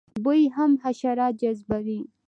بوی هم حشرات جذبوي